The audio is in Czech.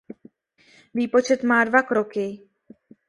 Výpočet má dva kroky.